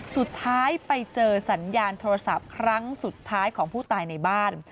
สุดท้ายไปเจอสัญญาณโทรศัพท์ครั้งสุดท้ายของผู้ตายในบ้าน